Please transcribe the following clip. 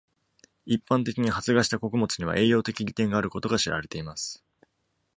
一般的に、発芽した穀物には栄養的利点があることが知られています。